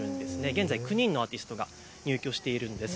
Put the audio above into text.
現在９人のアーティストが入居しているんです。